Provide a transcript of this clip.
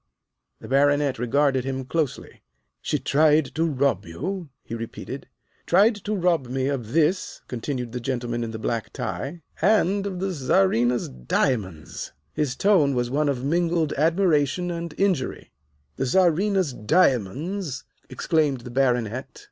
The Baronet regarded him closely. "She tried to rob you?" he repeated. [Illustration: 08 The Princess Zichy] "Tried to rob me of this," continued the gentleman in the black tie, "and of the Czarina's diamonds." His tone was one of mingled admiration and injury. "The Czarina's diamonds!" exclaimed the Baronet.